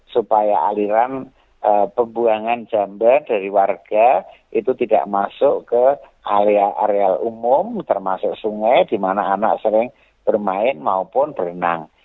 supaya aliran pembuangan jamban dari warga itu tidak masuk ke area area umum termasuk sungai di mana anak sering bermain maupun berenang